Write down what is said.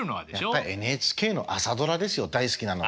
やっぱＮＨＫの「朝ドラ」ですよ大好きなのは。